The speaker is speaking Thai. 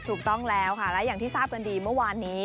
ถูกต้องแล้วค่ะและอย่างที่ทราบกันดีเมื่อวานนี้